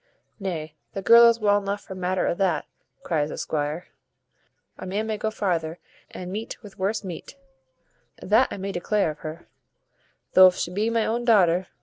"Nay, the girl is well enough for matter o' that," cries the squire; "a man may go farther and meet with worse meat; that I may declare o'her, thof she be my own daughter.